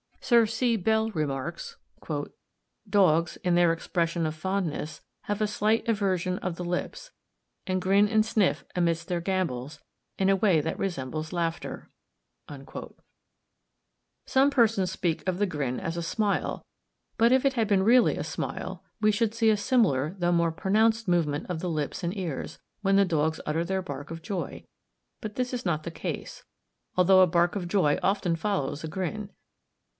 Sir C. Bell remarks "Dogs, in their expression of fondness, have a slight eversion of the lips, and grin and sniff amidst their gambols, in a way that resembles laughter." Some persons speak of the grin as a smile, but if it had been really a smile, we should see a similar, though more pronounced, movement of the lips and ears, when dogs utter their bark of joy; but this is not the case, although a bark of joy often follows a grin.